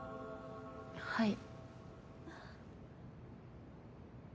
はい。